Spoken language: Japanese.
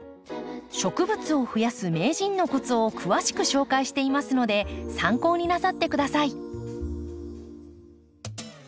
植物を増やす名人のコツを詳しく紹介していますので参考になさって下さい。